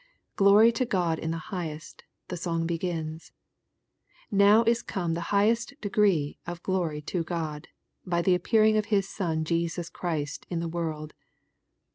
" Glory to God in the highest I'' the song begins. Now is come the highest degree of glory to God, by the appearing of His Son Jesus Christ in the world.